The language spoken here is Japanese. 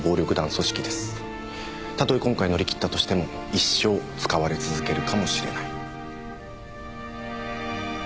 たとえ今回乗り切ったとしても一生使われ続けるかもしれない。